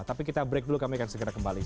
tapi kita break dulu kami akan segera kembali